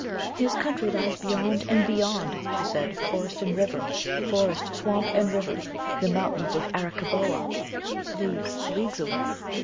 "His country lies beyond and beyond," she said, "forest and river, forest, swamp and river, the Mountains of Arakkaboa leagues, leagues away."